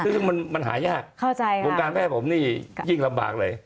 ซึ่งมันหายากเข้าใจวงการแม่ผมนี่ยิ่งลำบากเลย